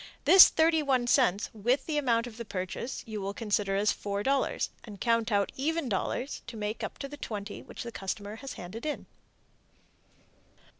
This 31 cents with the amount of the purchase you will consider as $4.00, and count out even dollars to make up the $20.00 which the customer has handed in.